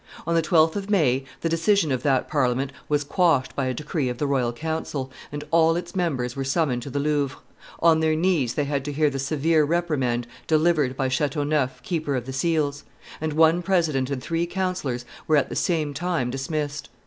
On the 12th of May, the decision of that Parliament was quashed by a decree of the royal council, and all its members were summoned to the Louvre; on their knees they had to hear the severe reprimand delivered by Chateauneuf, keeper of the seals; and one president and three counsellors were at the same time dismissed.